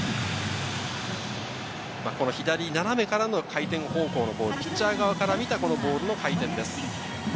左斜めからの回転方向、ピッチャー側から見た回転方向です。